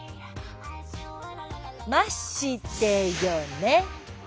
ましてよね。